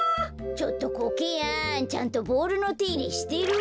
ちょっとコケヤンちゃんとボールのていれしてる？